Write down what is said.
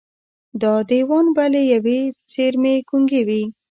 دا دېوان به له ېوې څېرمې ګونګي وي